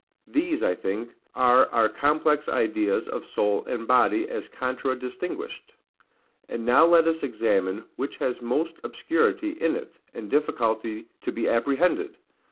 These, I think, are our complex ideas of soul and body, as contradistinguished; and now let us examine which has most obscurity in it, and difficulty to be apprehended.